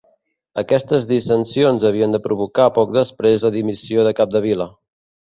Aquestes dissensions havien de provocar poc després la dimissió de Capdevila.